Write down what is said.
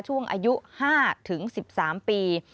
ช่วงอายุ๕๑๓ปี